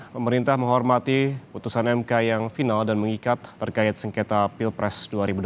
pemerintah menghormati putusan mk yang final dan mengikat terkait sengketa pilpres dua ribu dua puluh